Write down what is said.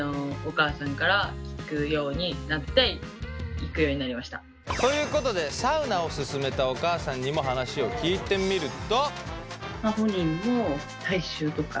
今ブームだもんね。ということでサウナを勧めたお母さんにも話を聞いてみると。